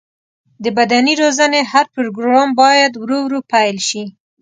د بدني روزنې هر پروګرام باید ورو ورو پیل شي.